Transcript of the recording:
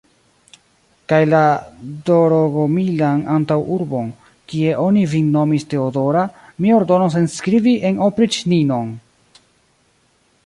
Kaj la Dorogomilan antaŭurbon, kie oni vin nomis Teodora, mi ordonos enskribi en opriĉninon!